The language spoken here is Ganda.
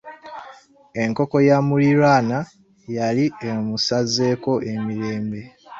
Enkoko ya muliraanwa yali emusazeeko emirembe.